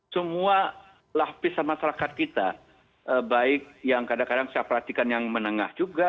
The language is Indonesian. semua lapisan masyarakat kita baik yang kadang kadang saya perhatikan yang menengah juga